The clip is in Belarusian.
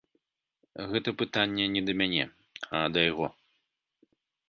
Гэта пытанне не да мяне, а да яго.